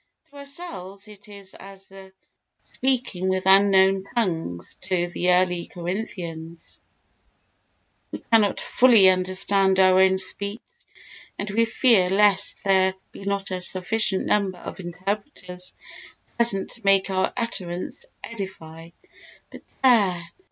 To ourselves it as the speaking with unknown tongues to the early Corinthians; we cannot fully understand our own speech, and we fear lest there be not a sufficient number of interpreters present to make our utterance edify. But there!